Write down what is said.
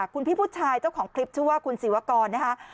คุณพี่ผู้ชายเจ้าของคลิปชื่อว่าคุณศิวกรนะคะ